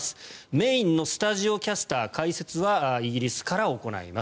メインのスタジオキャスター解説はイギリスから行います